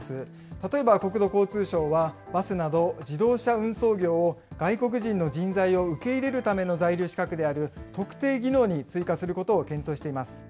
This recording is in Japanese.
例えば国土交通省は、バスなど自動車運送業を外国人の人材を受け入れるための在留資格である、特定技能に追加することを検討しています。